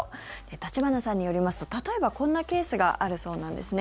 橘さんによりますと例えばこんなケースがあるそうなんですね。